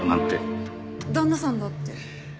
旦那さんだって。